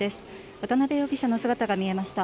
渡辺容疑者の姿が見えました。